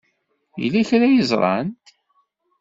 Yella kra ay ẓrant?